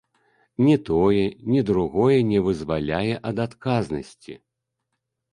Ні тое, ні другое не вызваляе ад адказнасці.